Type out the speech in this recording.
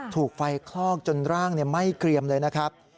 ถูกไฟคลอกจนร่างไหม้เกรียมเลยนะครับ